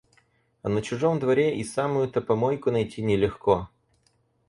А на чужом дворе и самую-то помойку найти не легко.